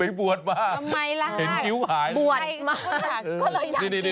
ไปบวชมาเห็นยิ้วหายทำไมล่ะบวชมา